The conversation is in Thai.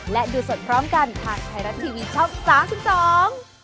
และดูสดพร้อมกันทางไทยรัฐทีวีช่อง๓๒